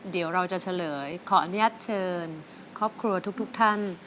เดี๋ยวเราจะเฉลยขออนุญาตเชิญครอบครัวทุกท่าน